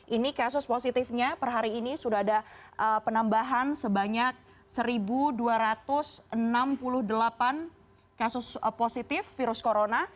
ini kasus positifnya per hari ini sudah ada penambahan sebanyak satu dua ratus enam puluh delapan kasus positif virus corona